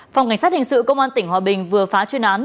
phòng cảnh sát hình sự công an tỉnh hòa bình vừa phá chuyên án